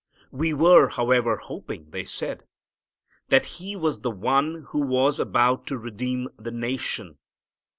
"We were, however, hoping," they said, "that He was the One who was about to redeem the nation.